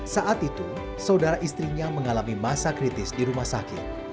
saat itu saudara istrinya mengalami masa kritis di rumah sakit